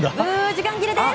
時間切れです！